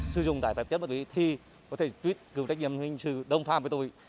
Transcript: sử dụng tài phạm chất ma túy thì có thể truyết cưu trách nhiệm hình sự đồng phạm với tôi